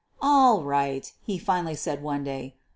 "All right," he finally said one day.